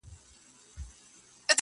او ژوند خېر غواړو